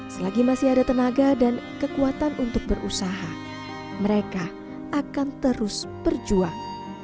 selagi masih ada tenaga dan kekuatan untuk berusaha mereka akan terus berjuang